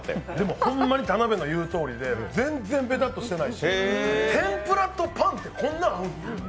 ホンマに田辺の言うとおりで全然べたっとしてないし、天ぷらとパンってこんな合うんや。